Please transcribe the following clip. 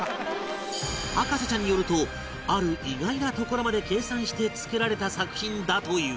博士ちゃんによるとある意外なところまで計算して作られた作品だという